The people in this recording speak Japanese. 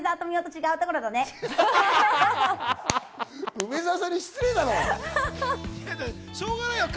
梅澤さんに失礼だろ。